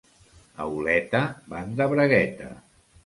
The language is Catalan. A Oleta van de bragueta.